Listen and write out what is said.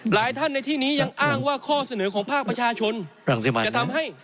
หลายท่านในที่นี้ยังอ้างว่าข้อเสนอของภาคประชาชนจะทำให้